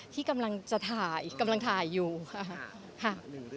ที่กำลังจะถ่ายกำลังถ่ายอยู่ค่ะ